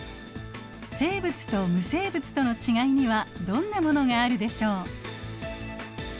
生物と無生物とのちがいにはどんなものがあるでしょう。